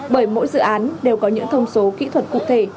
bởi mỗi dự án đều có những thông số kỹ thuật cụ thể